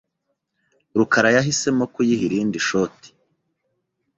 rukarayahisemo kuyiha irindi shoti.